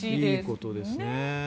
いいことですね。